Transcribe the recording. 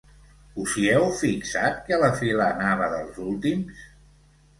Us hi heu fixat, que a la fila anava dels últims?